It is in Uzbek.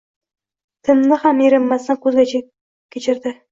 Timni ham erinmasdan ko‘zdan kechirdi